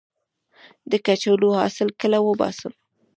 د کچالو حاصل کله وباسم؟